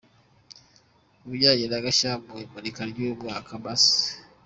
Ku bijyanye n’agashya mu imurika ry’uyu mwaka, Amb.